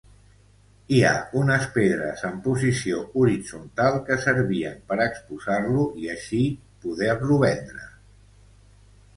Hi ha unes pedres en posició horitzontal que servien per exposar-lo i així poder-lo vendre.